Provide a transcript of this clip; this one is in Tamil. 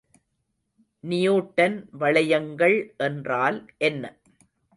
நியூட்டன் வளையங்கள் என்றால் என்ன?